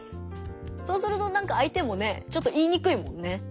そうするとなんか相手もねちょっと言いにくいもんね。